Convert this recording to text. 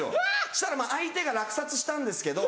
そしたら相手が落札したんですけど。